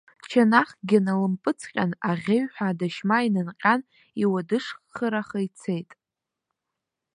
Чанахкгьы налымпыҵҟьан аӷьеҩҳәа адашьма инанҟьан иуадышххыраха ицеит.